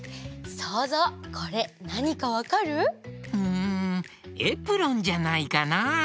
そうぞうこれなにかわかる？んエプロンじゃないかな？